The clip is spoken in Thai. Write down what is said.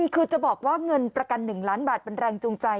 คือจะบอกว่าเงินประกัน๑ล้านบาทเป็นแรงจูงใจ